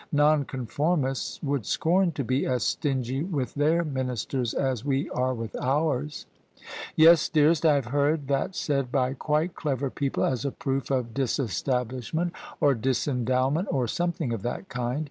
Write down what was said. Noncon formists would scorn to be as stingy with their ministers as we are with ours." "Yes, dearest, I have heard that said by quite clever OF ISABEL CARNABY people as a proof of disestablishment or disendowment or something of that kind.